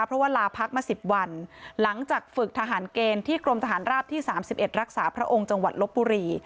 เพราะว่าลาพักมา๑๐วันหลังจากฝึกทหารเกณฑ์ที่กรมทหารราบที่๓๑รักษาพระองค์จังหวัดลบบุรี